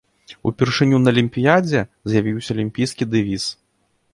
Упершыню на алімпіядзе з'явіўся алімпійскі дэвіз.